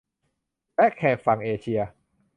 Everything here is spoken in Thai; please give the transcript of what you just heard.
และแขกฝั่งเอเชีย